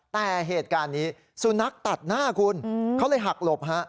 แต่เหตุการณ์นี้สุนัขตัดหน้าคุณเขาเลยหักหลบฮะ